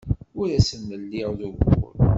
Ur asen-lliɣ d ugur.